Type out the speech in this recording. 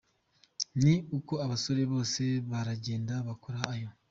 Ni uko abasore bose baragenda bakora iyo.